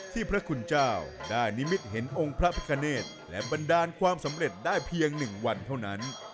พระคุณเจ้าได้นิมิตเห็นองค์พระพิคเนธและบันดาลความสำเร็จได้เพียง๑วันเท่านั้น